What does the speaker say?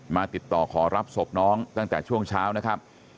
ติดต่อขอรับศพน้องตั้งแต่ช่วงเช้านะครับ